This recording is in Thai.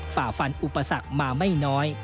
ฝ่าฟันอุปสรรคมาไม่น้อย